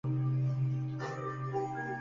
Su padre era agricultor y su madre ama de casa.